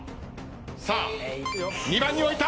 さあ２番に置いた！